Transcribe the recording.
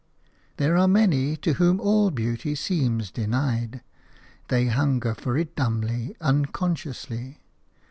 There are many to whom all beauty seems denied; they hunger for it dumbly, unconsciously.